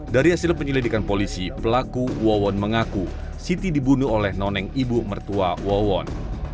dari hasil penyelidikan polisi pelaku wawon mengaku siti dibunuh oleh noneng ibu mertua wawon